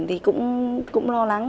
thì cũng lo lắng